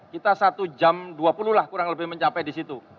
kita satu jam dua puluh lah kurang lebih mencapai di situ